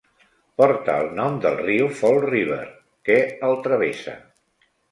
Porta el nom del riu Fall River, que el travessa.